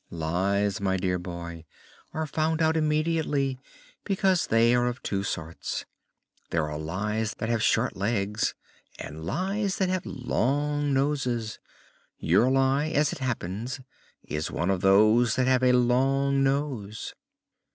"Lies, my dear boy, are found out immediately, because they are of two sorts. There are lies that have short legs, and lies that have long noses. Your lie, as it happens, is one of those that have a long nose."